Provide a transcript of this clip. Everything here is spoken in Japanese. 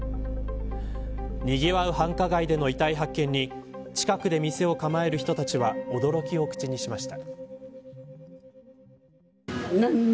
にぎわう繁華街での遺体発見に近くで店を構える人たちは驚きを口にしました。